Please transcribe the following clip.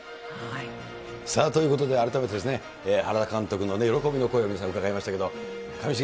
さあ、ということで、改めて原監督の喜びの声、皆さん、伺いましたけど、上重、